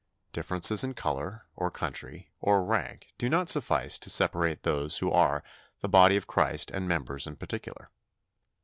Differences in colour, or country, or rank do not suffice to separate those who are "the body of Christ and members in particular."